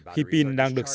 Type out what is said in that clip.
khi pin đang được xả